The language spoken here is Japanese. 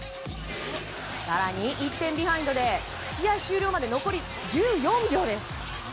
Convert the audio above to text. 更に、１点ビハインドで試合終了まで残り１４秒です。